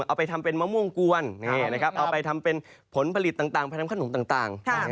เอาไปทำเป็นมะม่วงกวนเอาไปทำไฟลิตต่างพันธุ์ขนมต่าง